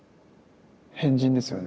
変人ですよね。